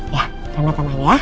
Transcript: ya tenang tenang ya